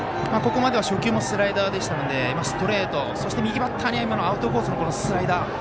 ここまでは初球もスライダーでしたのでストレートそして右バッターには今のアウトコースのスライダー。